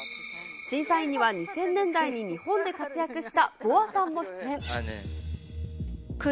審査員には、２０００年代に日本で活躍したＢｏＡさんも出演。